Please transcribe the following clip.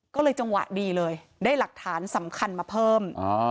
ก็เลยจังหวะดีเลยได้หลักฐานสำคัญมาเพิ่ม